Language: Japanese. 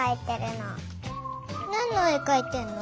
なんのえかいてんの？